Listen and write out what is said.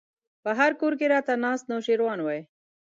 په هر کور کې راته ناست نوشيروان وای